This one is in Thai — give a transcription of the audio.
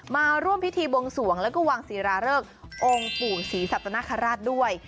มาร่วมพิธีบวงสวงแล้วก็วางศิราเริกองค์ปู่ศรีสัตนคราชด้วย